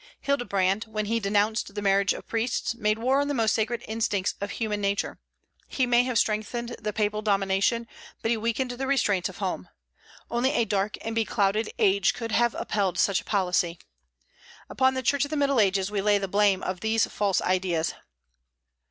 Hildebrand, when he denounced the marriage of priests, made war on the most sacred instincts of human nature. He may have strengthened the papal domination, but he weakened the restraints of home. Only a dark and beclouded age could have upheld such a policy. Upon the Church of the Middle Ages we lay the blame of these false ideas.